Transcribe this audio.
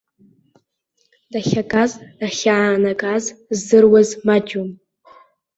Дахьагаз, дахьаанагаз здыруаз маҷҩын.